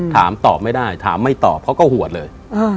ถามตอบไม่ได้ถามไม่ตอบเขาก็หวดเลย